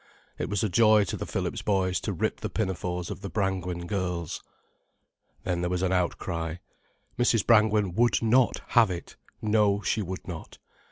It was a joy to the Phillips boys to rip the pinafores of the Brangwen girls. Then there was an outcry. Mrs. Brangwen would not have it; no, she would not.